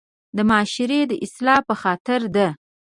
د معاشري د اصلاح پۀ خاطر ده